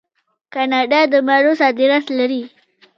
کاناډا د مڼو صادرات لري.